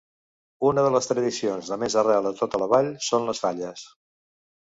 Una de les tradicions de més arrel a tota la vall són les falles.